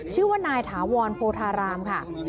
ชื่อว่านายถาวรโพธารามค่ะ